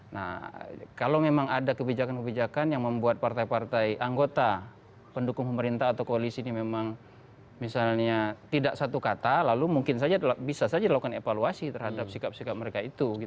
nah kalau memang ada kebijakan kebijakan yang membuat partai partai anggota pendukung pemerintah atau koalisi ini memang misalnya tidak satu kata lalu mungkin saja bisa saja dilakukan evaluasi terhadap sikap sikap mereka itu